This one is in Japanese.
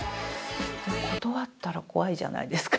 断ったら怖いじゃないですか。